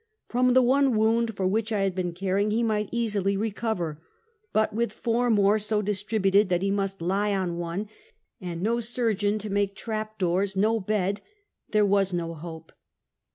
From the one wound, for which I had been caring, he might easily recover; but with four more so distributed that he must lie on one, and no surgeon to make trap doors, no bed — there was no hope.